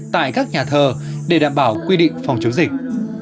tại các nhà thờ để đảm bảo quy định phòng chống dịch